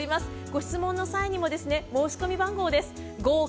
ご質問の際にも申し込み番号です